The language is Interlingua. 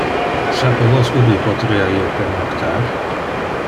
Sape vos ubi poterea io pernoctar?